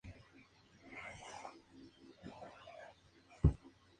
El motor económico de la ciudad en la actualidad es la pesca.